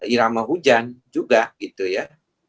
irama hujan juga gitu ya